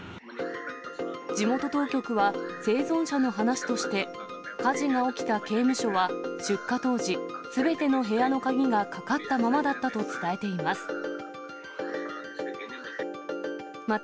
地元当局は、生存者の話として、火事が起きた刑務所は、出火当時、すべての部屋の鍵がかかったままだったと伝えています。